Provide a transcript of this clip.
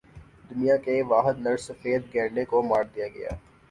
دنیا کے واحد نر سفید گینڈے کو مار دیا گیا